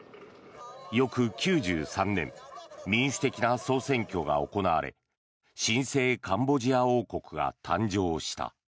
翌９３年民主的な総選挙が行われ新生カンボジア王国が誕生した。